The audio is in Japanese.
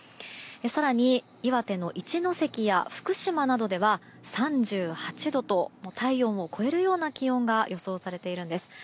更に岩手の一関や福島などでは３８度と体温を超えるような気温が予想されているんです。